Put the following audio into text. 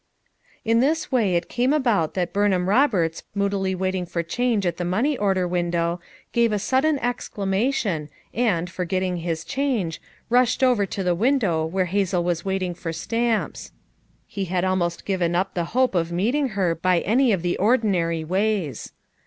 In this way it came about that Burnliam Rob erts moodily waiting for change at the money order window gave a sudden exclamation and, forgetting his change, rushed over to the win dow where Hazel was waiting for stamps; ho had almost given up the hope of meeting her by any of the ordinary ways.